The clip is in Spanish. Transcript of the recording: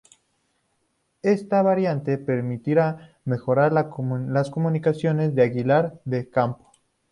Esta variante permitirá mejorar las comunicaciones de Aguilar de Campoo.